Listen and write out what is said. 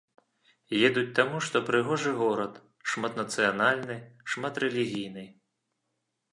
Едуць таму, што прыгожы горад, шматнацыянальны, шматрэлігійны.